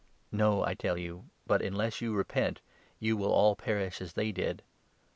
No, I tell you ; but, unless you 3 repent, you will all perish as they did.